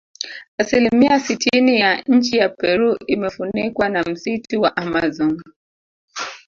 Asilimia sitini ya nchi ya Peru imefunikwa na msitu wa Amazon